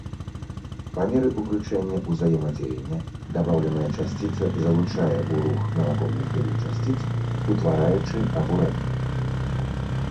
Па меры ўключэння ўзаемадзеяння, дабаўленая часціца залучае ў рух навакольных яе часціц, утвараючы абурэнне.